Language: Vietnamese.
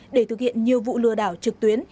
để thực hiện nhiều vụ lừa đảo trực tuyến